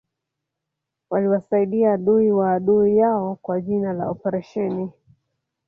waliwasaidia adui wa adui yao kwa jina la oparesheni